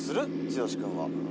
剛君は。